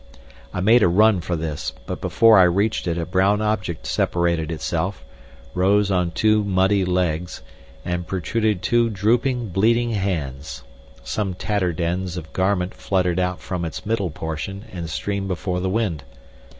I made a run for this, but before I reached it a brown object separated itself, rose on two muddy legs, and protruded two drooping, bleeding hands. Some tattered ends of garment fluttered out from its middle portion and streamed before the wind.